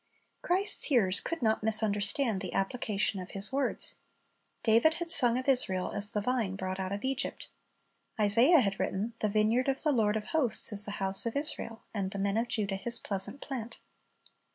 Christ's hearers could not misunderstand the application of His words. David had sung of Israel as the vine brought out of Egypt. Isaiah had written, "The vineyard of the Lord of hosts is the house of Israel, and the men of Judah His pleasant plant."'